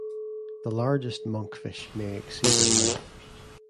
The largest monkfish may exceed in length.